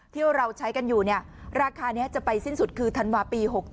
ที่เราใช้กันอยู่ราคานี้จะไปสิ้นสุดคือธันวาปี๖๗